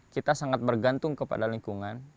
kita sangat bergantung kepada lingkungan